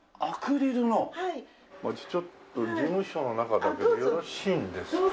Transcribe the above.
ちょっと事務所の中だけどよろしいんですか？